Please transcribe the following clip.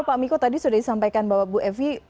pak miko tadi sudah disampaikan bahwa bu evi